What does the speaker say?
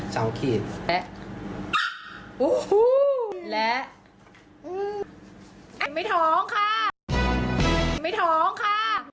เสาขีดแป๊ะและไม่ท้องค่ะไม่ท้องค่ะ